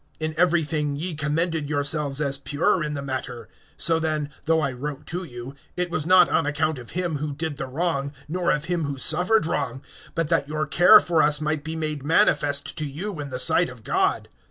In every thing ye commended yourselves as pure in the matter. (12)So then, though I wrote to you, it was not on account of him who did the wrong, nor of him who suffered wrong, but that your care for us might be made manifest to you in the sight of God.